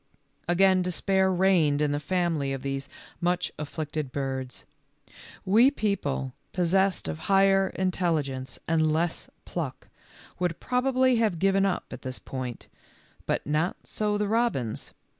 Again despair reigned in the family of these much afflicted birds. We people, possessed of higher intelligence and less pluck, would prob ably have given up at this point, but not so the robins.